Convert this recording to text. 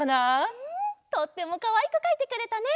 とってもかわいくかいてくれたね。